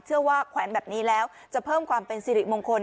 ว่าแขวนแบบนี้แล้วจะเพิ่มความเป็นสิริมงคล